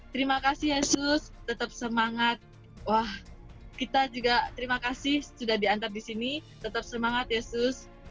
terima kasih yesus tetap semangat wah kita juga terima kasih sudah diantar di sini tetap semangat yesus